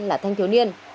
là thanh thiếu niên